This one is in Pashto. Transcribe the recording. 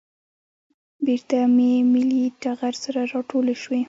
بېرته پر ملي ټغر سره راټولې شوې.